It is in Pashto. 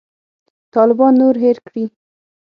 طالبان نور هېر کړي.